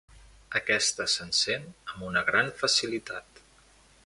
Aquesta s'encén amb una gran facilitat.